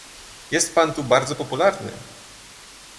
Jest pan tu bardzo popularny